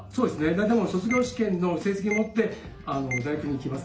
大体もう卒業試験の成績を持って大学に行きますね。